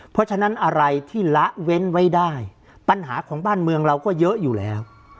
เพราะฉะนั้นอะไรที่ละเว้นไว้ได้ปัญหาของบ้านเมืองเราก็เยอะอยู่แล้ว